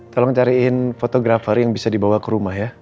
tolong cariin fotografer yang bisa dibawa ke rumah ya